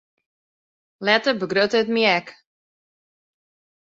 Letter begrutte it my ek.